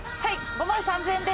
５万３，０００円で。